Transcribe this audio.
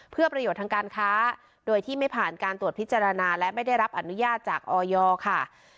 เพื่อประโยชน์ทางการค้าโดยที่ไม่ผ่านการตรวจพิจารณาและไม่ได้รับอนุญาตจากออยค่ะ